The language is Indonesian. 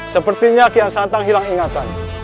sepertinya kian santang hilang ingatan